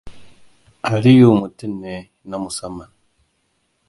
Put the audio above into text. Aliyu mutum ne na musamman.